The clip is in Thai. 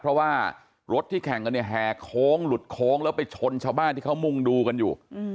เพราะว่ารถที่แข่งกันเนี่ยแห่โค้งหลุดโค้งแล้วไปชนชาวบ้านที่เขามุ่งดูกันอยู่